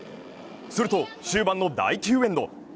すると終盤の第９エンド。